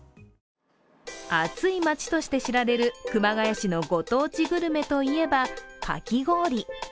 暑い街として知られる熊谷市のご当地グルメといえばかき氷。